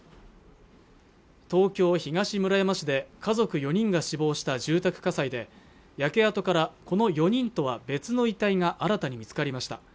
東京東村山市で家族４人が死亡した住宅火災で焼け跡からこの４人とは別の遺体が新たに見つかりました